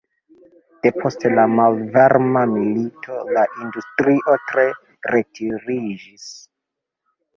Depost la malvarma milito la industrio tre retiriĝis.